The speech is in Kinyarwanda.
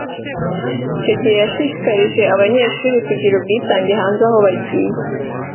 Icyo gihe yashishikarije abanyeshuri kugira ubwitange hanze aho bagiye